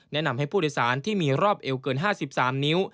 แนะนำให้ผู้โดยสารที่มีรอบเอวเกิน๕๓นิ้ว